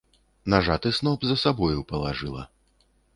Нажаты сноп за сабою палажыла.